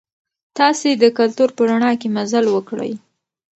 تاسي د کلتور په رڼا کې مزل وکړئ.